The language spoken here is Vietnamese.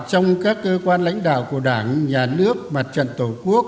trong các cơ quan lãnh đạo của đảng nhà nước mặt trận tổ quốc